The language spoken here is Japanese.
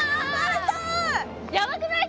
やばくない？